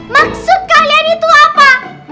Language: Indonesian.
maksud kalian itu apa